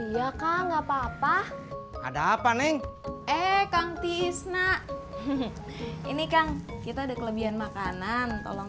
ya kak nggak papa papa ada apa neng eh kang tisna ini kang kita ada kelebihan makanan tolong